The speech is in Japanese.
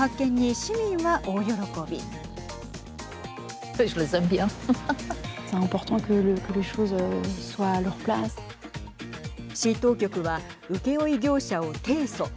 市当局は請負業者を提訴。